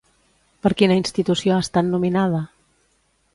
Per quina institució ha estat nominada?